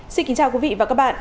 xin kính chào quý vị và các bạn